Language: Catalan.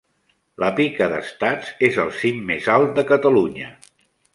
La Pica d'estats es el cim mes alt de Catalunya.